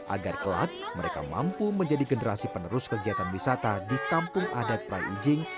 agar kelak mereka mampu menjadi generasi penerus kegiatan wisata di kampung adat prai ijing